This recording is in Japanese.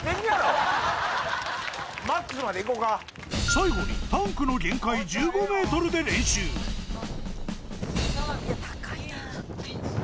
最後にタンクの限界１５ｍで練習いや高いな。